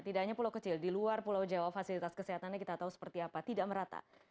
tidak hanya pulau kecil di luar pulau jawa fasilitas kesehatannya kita tahu seperti apa tidak merata